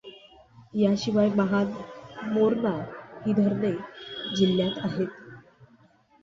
याशिवाय महान, मोर्णा ही धरणे जिल्ह्यात आहेत.